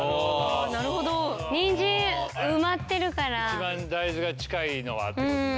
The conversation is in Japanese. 一番大豆が近いのはってことね。